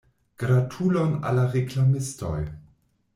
Gratulon al la reklamistoj.